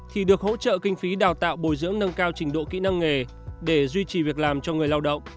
thì được hỗ trợ kinh phí đào tạo bồi dưỡng nâng cao trình độ kỹ năng nghề để duy trì việc làm cho người lao động